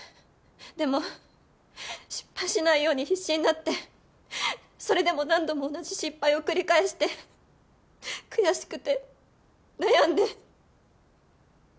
でも失敗しないように必死になってそれでも何度も同じ失敗を繰り返して悔しくて悩んで。